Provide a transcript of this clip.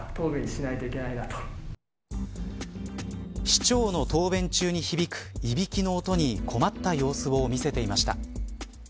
市長の答弁中に響くいびきの音に困った様子を見せていました。